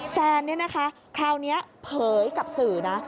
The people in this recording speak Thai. แซนเนี่ยนะคะคราวนี้เผยกับสื่อนะ